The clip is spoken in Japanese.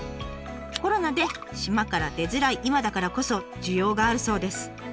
コロナで島から出づらい今だからこそ需要があるそうです。